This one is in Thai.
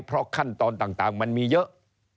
เพราะขั้นตอนต่างมันมีเยอะ